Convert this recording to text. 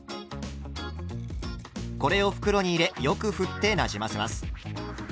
これを袋に入れよくふってなじませます。